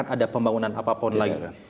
ada pembangunan apapun lagi